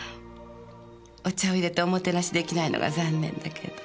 お茶を淹れておもてなし出来ないのが残念だけど。